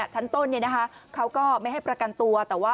ชั้นต้นเขาก็ไม่ให้ประกันตัวแต่ว่า